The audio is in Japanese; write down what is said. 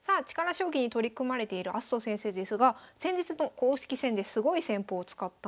将棋に取り組まれている明日斗先生ですが先日の公式戦ですごい戦法を使ったんです。